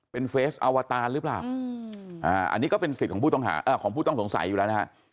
เป็นเฟซอวาตารหรือเปล่าอันนี้ก็เป็นสิทธิ์ของผู้ต้องสงสัยอยู่แล้วนะฮะ